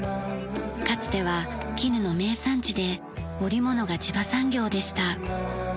かつては絹の名産地で織物が地場産業でした。